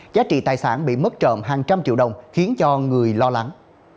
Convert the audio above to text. giá trị tài sản bị mất trộm hàng trăm triệu đồng khiến cho người lo lắng